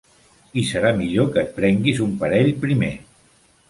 I serà millor que et prenguis un parell primer.